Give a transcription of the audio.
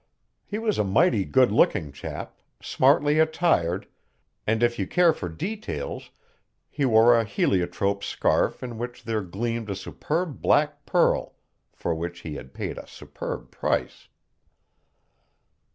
He was a mighty good looking chap, smartly attired, and if you care for details, he wore a heliotrope scarf in which there gleamed a superb black pearl for which he had paid a superb price.